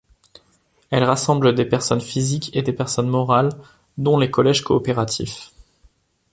Elle rassemble des personnes physiques et des personnes morales, dont les collèges coopératifs.